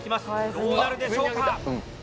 どうなるでしょうか？